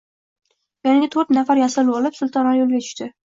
Yoniga toʻrt nafar yasovul olib, Sultonali yoʻlga tushdi